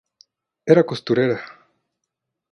Era costurera.